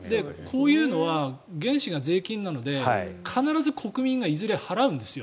こういうのは原資が税金なので必ず国民がいずれ払うんですよ。